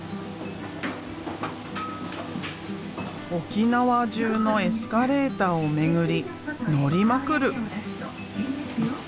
沖縄中のエスカレーターを巡り乗りまくる。